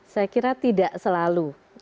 saya kira tidak selalu